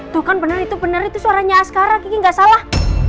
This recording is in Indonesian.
tuh kan bener itu benar itu suaranya askara kiki nggak salah